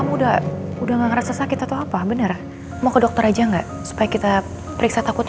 muda udah nggak ngerasa sakit atau apa benar mau ke dokter aja enggak supaya kita periksa takutnya